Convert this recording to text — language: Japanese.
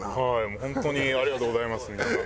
もう本当にありがとうございます皆さん。